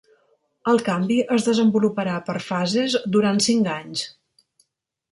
El canvi es desenvoluparà per fases durant cinc anys.